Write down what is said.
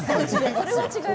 それは違う。